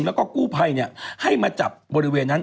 แล้วก็กู้ภัยให้มาจับบริเวณนั้น